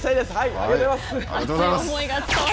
ありがとうございます。